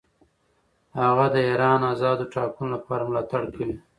هغه د ایران آزادو ټاکنو لپاره ملاتړ کوي.